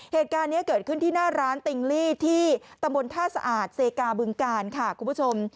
เหตุการณ์นี้เกิดขึ้นที่หน้าร้านติงลี่ที่ตำบลท่าสะอาดเซกาบึงกาลค่ะคุณผู้ชม